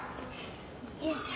よいしょ。